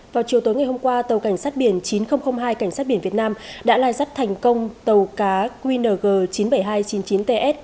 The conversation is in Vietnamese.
vào chiều tối ngày hôm qua tàu cảnh sát biển chín nghìn hai cảnh sát biển việt nam đã lai dắt thành công tàu cá qng chín mươi bảy nghìn hai trăm chín mươi chín ts